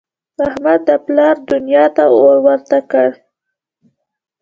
احمد د پلار دونیا ته اور ورته کړ.